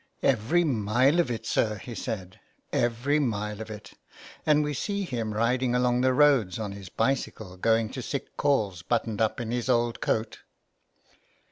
'' Every mile of it, sir," he said, " every mile of it, and we see him riding along the roads on his bicycle going to sick calls buttoned up in his old coat."